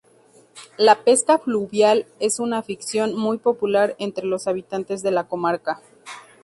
La pesca fluvial es una afición muy popular entre los habitantes de la comarca.